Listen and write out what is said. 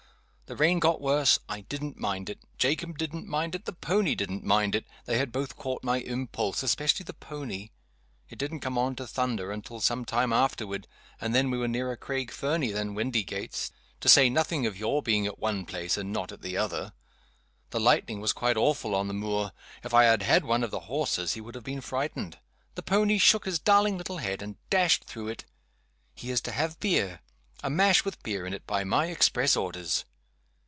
The rain got worse. I didn't mind it. Jacob didn't mind it. The pony didn't mind it. They had both caught my impulse especially the pony. It didn't come on to thunder till some time afterward; and then we were nearer Craig Fernie than Windygates to say nothing of your being at one place and not at the other. The lightning was quite awful on the moor. If I had had one of the horses, he would have been frightened. The pony shook his darling little head, and dashed through it. He is to have beer. A mash with beer in it by my express orders.